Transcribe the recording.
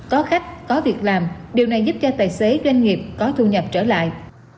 có khách có việc làm điều này giúp cho tài xế doanh nghiệp có thu nhập trở lại